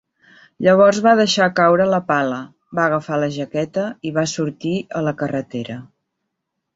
Llavors va deixar caure la pala, va agafar la jaqueta i va sortir a la carretera.